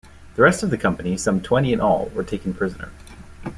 The rest of the company, some twenty in all, were taken prisoner.